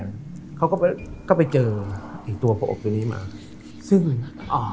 ครับเขาก็ไปเขาก็ไปเจออีกตัวพระอบอยู่นี้มาซึ่งอ่า